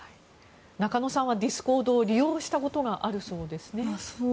中野さんはディスコードを利用したことがあるそうですね。